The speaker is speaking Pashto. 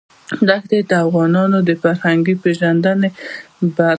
دښتې د افغانانو د فرهنګي پیژندنې برخه ده.